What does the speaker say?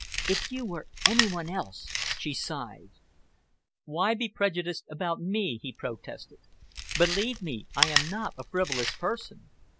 "If you were any one else!" she sighed. "Why be prejudiced about me?" he protested. "Believe me, I am not a frivolous person.